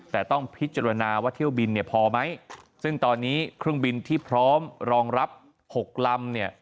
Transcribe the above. แต่ต้องพิจารณาว่าเที่ยวบินเนี่ยพอไหมซึ่งตอนนี้เครื่องบินที่พร้อมรองรับ๖ลำเนี่ย